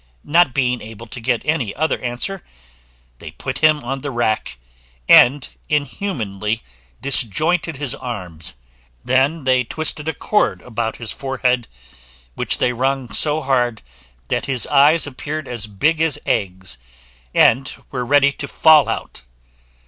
Not being able to get any other answer, they put him on the rack, and inhumanly disjointed his arms; then they twisted a cord about his forehead, which they wrung so hard that his eyes appeared as big as eggs, and were ready to fall out.